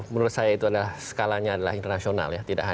menurut saya itu adalah skalanya adalah internasional ya